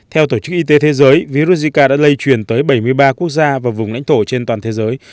theo tổ chức y tế thế giới virus zika đã lây truyền tới bảy mươi ba quốc gia và vùng lãnh thổ trên toàn thế giới